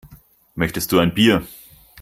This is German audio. Möchtest du ein Bier?